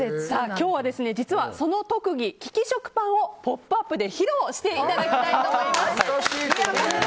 今日は、実はその特技利き食パンを「ポップＵＰ！」で披露していただきます。